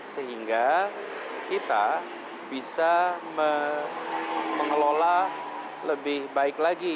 sehingga kita bisa mengelola lebih baik lagi